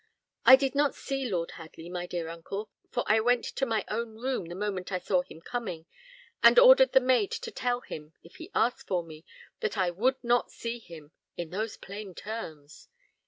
I did not see Lord Hadley, my dear uncle, for I went to my own room the moment I saw him coming, and ordered the maid to tell him, if he asked for me, that I would not see him, in those plain terms."